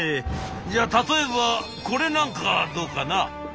じゃあ例えばこれなんかどうかな？」。